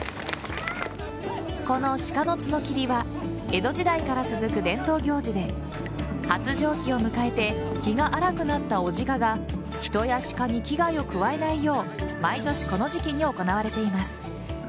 この鹿の角きりは江戸時代から続く伝統行事で発情期を迎えて気が荒くなった雄鹿が人や鹿に危害を加えないよう毎年この時期に行われています。